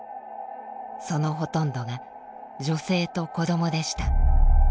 そのほとんどが女性と子どもでした。